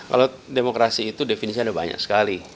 kalau demokrasi itu definisinya ada banyak sekali